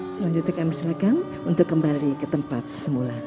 selanjutnya kami serahkan untuk kembali ke tempat semula